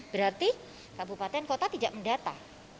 berarti kabupaten kota tidak mendata